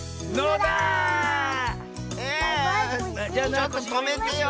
ちょっととめてよ！